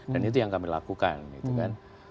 dan itu yang kami lakukan gitu kan